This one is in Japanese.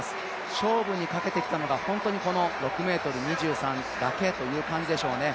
勝負にかけてきたのが、本当にこの６ｍ２３というだけでしょうね。